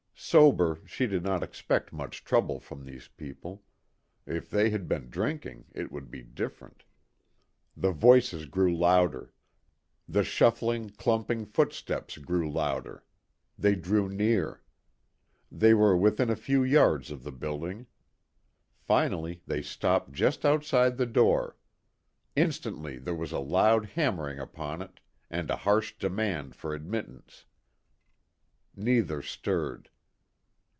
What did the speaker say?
Sober, she did not expect much trouble from these people. If they had been drinking it would be different. The voices grew louder. The shuffling, clumping footsteps grew louder. They drew near. They were within a few yards of the building. Finally they stopped just outside the door. Instantly there was a loud hammering upon it, and a harsh demand for admittance. Neither stirred.